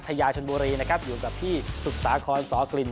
ยาชนบุรีนะครับอยู่กับที่สุดสาครสอกลิ่น